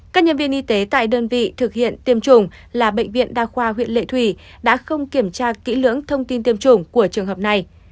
các nhân viên y tế tại đơn vị thực hiện tiêm chủng là bệnh viện đa khoa huyện lệ thủy đã không kiểm tra kỹ lưỡng thông tin tiêm chủng của trường hợp này